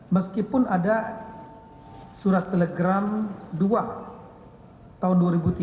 meskipun ada surat telegram dua tahun dua ribu tiga